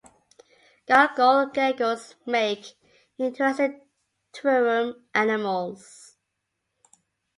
Gargoyle geckos make interesting terrarium animals.